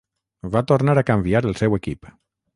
Va tornar a canviar el seu equip.